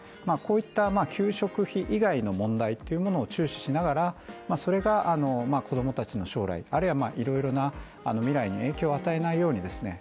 こういった給食費以外の問題というものを注視しながらそれが子供たちの将来、あるいはいろいろなあの未来に影響を与えないようにですね